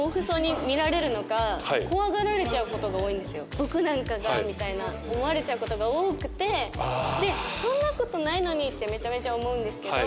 僕なんかがみたいな思われちゃう事が多くてそんな事ないのにってめちゃめちゃ思うんですけど。